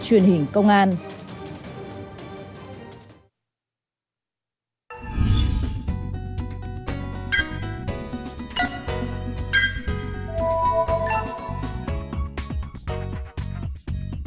a truyền hình công an nhân dân